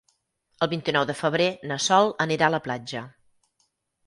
El vint-i-nou de febrer na Sol anirà a la platja.